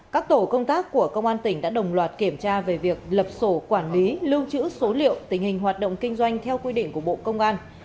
các tổ công tác của công an tỉnh đã đồng loạt kiểm tra về việc lập sổ quản lý lưu trữ số liệu tình hình hoạt động kinh doanh theo quy định của bộ công an